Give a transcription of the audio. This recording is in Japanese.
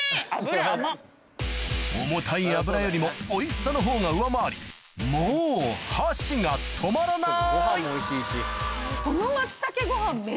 重たい脂よりもおいしさのほうが上回りもう箸が止まらない！